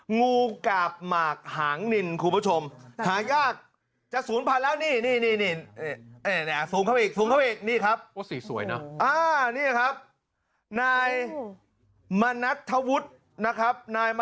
งูกาบหมากหางนินคุณผู้ชมหายากจะสูงผันล่ะเนี่ย